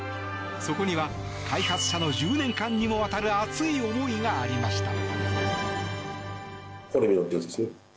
そこには開発者の１０年間にもわたる熱い思いがありました。